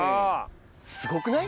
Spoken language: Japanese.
すごくない？